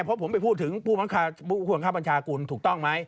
เพราะผมไปพูดถึงผู้บัญชากุลถูกต้องไหม